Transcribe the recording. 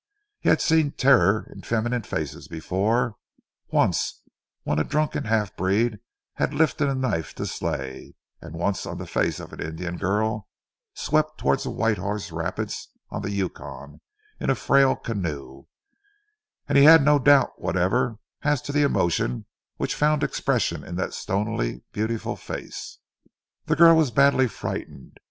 He had seen terror in feminine faces before, once when a drunken half breed had lifted a knife to slay, and once on the face of an Indian girl, swept towards the White Horse Rapids on the Yukon in a frail canoe, and he had no doubt whatever as to the emotion which found expression in that stonily beautiful face. The girl was badly frightened.